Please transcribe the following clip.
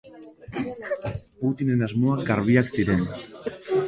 Putinen asmoak garbiak ziren.